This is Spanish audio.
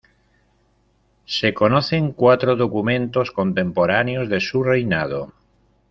Se conocen cuatro documentos contemporáneos de su reinado.